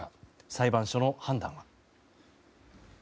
裁判所の判断は。